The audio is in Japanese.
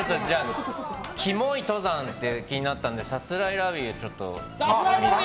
キモい登山って気になったのでさすらいラビーを。